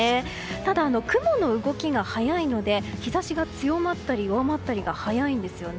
ただ、雲の動きが速いので日差しが強まったり弱まったりが早いんですね。